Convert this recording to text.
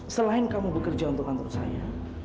selain kamu bekerja untuk kantor saya